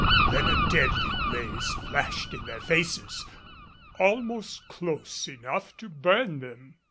Then a deadly blaze flashed in their faces, almost close enough to burn them.